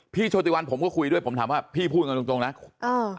โชติวันผมก็คุยด้วยผมถามว่าพี่พูดกันตรงตรงนะเออ